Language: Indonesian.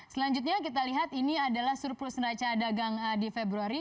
selanjutnya kita lihat ini adalah surplus neraca dagang di februari